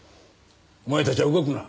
お前たちは動くな。